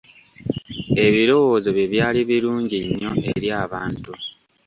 Ebirowoozo bye byali birungi nnyo eri abantu.